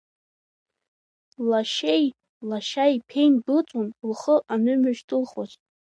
Лашьеи лашьа иԥеи ндәылҵуан, лхы анҩышьҭылхуаз.